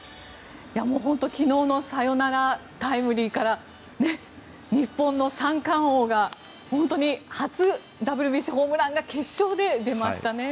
昨日のサヨナラタイムリーから日本の三冠王が本当に初ＷＢＣホームランが決勝で出ましたね。